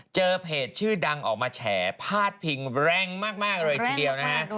เจอเพจชื่อดังออกมาแฉพาดพิงแรงมากเลยทีเดียวนะฮะ